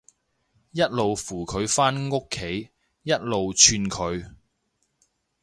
一路扶佢返屋企，一路串佢